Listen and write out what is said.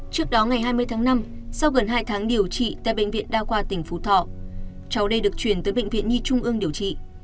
trước đó ngày hai mươi tháng năm sau gần hai tháng điều trị tại bệnh viện đa khoa tỉnh phú thọ cháu đây được chuyển tới bệnh viện nhi trung ương điều trị